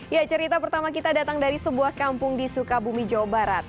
ya cerita pertama kita datang dari sebuah kampung di sukabumi jawa barat